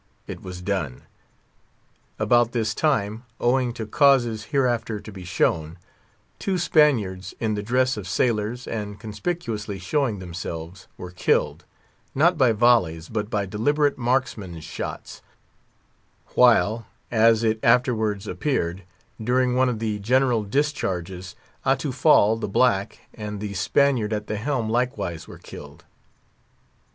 It was done. About this time, owing to causes hereafter to be shown, two Spaniards, in the dress of sailors, and conspicuously showing themselves, were killed; not by volleys, but by deliberate marksman's shots; while, as it afterwards appeared, by one of the general discharges, Atufal, the black, and the Spaniard at the helm likewise were killed.